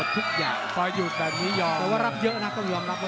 แต่ว่ารับเยอะนะต้องยอมรับเยอะ